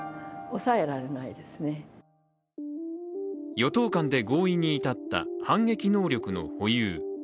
与党間で合意に至った反撃能力の保有。